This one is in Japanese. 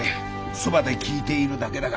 そばで聞いているだけだが。